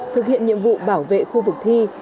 thực hiện nhiệm vụ bảo vệ khu vực thi